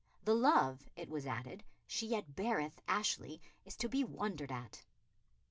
The love," it was added, "she yet beareth [Ashley] is to be wondered at."